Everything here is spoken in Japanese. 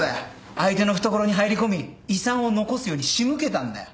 相手の懐に入り込み遺産を残すように仕向けたんだよ。